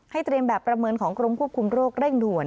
เตรียมแบบประเมินของกรมควบคุมโรคเร่งด่วน